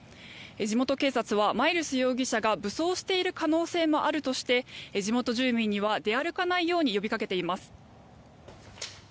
地元警察は、マイルス容疑者が武装している可能性もあるとして地元住民には出歩かないように呼びかけています。